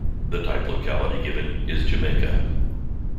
The type locality given is "Jamaica".